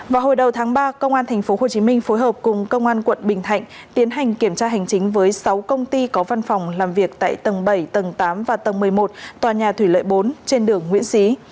vào hồi đầu tháng ba công an tp hcm phối hợp cùng công an quận bình thạnh tiến hành kiểm tra hành chính với sáu công ty có văn phòng làm việc tại tầng bảy tầng tám và tầng một mươi một tòa nhà thủy lợi bốn trên đường nguyễn xí